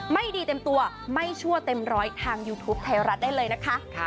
ไม่ดีเต็มตัวไม่ชั่วเต็มร้อยทางยูทูปไทยรัฐได้เลยนะคะ